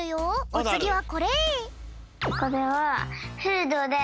おつぎはこれ。